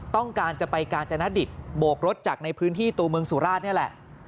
ต้องการจะไปกาญจนดิตโบกรถจากในพื้นที่ตัวเมืองสุราชนี่แหละ